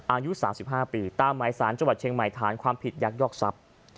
อายุ๓๕ปีตามหมายสารจังหวัดเชียงใหม่ฐานความผิดยักยอกทรัพย์